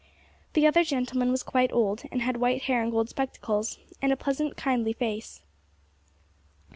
The other gentleman was quite old, and had white hair and gold spectacles, and a pleasant, kindly face.